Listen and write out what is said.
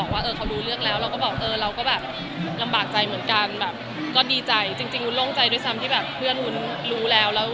ให้ทุกคนรู้ว่ามันเป็นเรื่องที่แต่งขึ้นมามากกว่า